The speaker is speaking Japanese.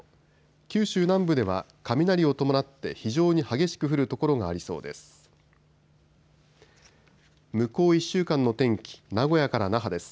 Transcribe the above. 九州南部では雷を伴って非常に激しく降る所がありそうです。